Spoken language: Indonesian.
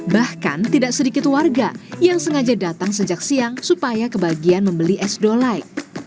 bahkan tidak sedikit warga yang sengaja datang sejak siang supaya kebagian membeli es dolai